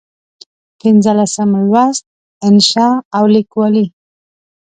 پنځلسم لوست: انشأ او لیکوالي